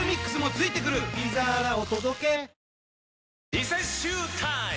リセッシュータイム！